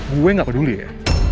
gue gak peduli ya